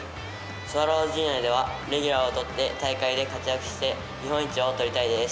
スワローズジュニアではレギュラーをとって大会で活躍して日本一を取りたいです。